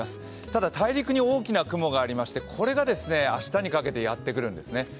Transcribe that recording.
ただ大陸に大きな雲がありましてこれが明日にかけてやってくるんですね。